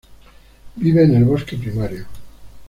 Vive en el bosque primario.